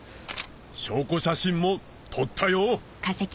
証拠写真も撮ったよ